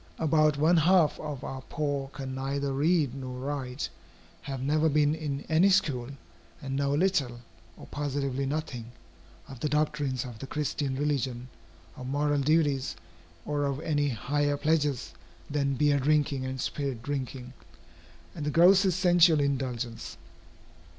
About one half of our poor can neither read nor write, have never been in any school, and know little, or positively nothing, of the doctrines of the Christian religion, of moral duties, or of any higher pleasures than beer drinking and spirit drinking, and the grossest sensual indulgence.